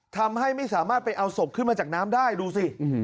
ทำให้ไม่สามารถไปเอาศพขึ้นมาจากน้ำได้ดูสิ